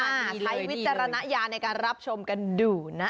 ใช้วิจารณญาณในการรับชมกันดูนะ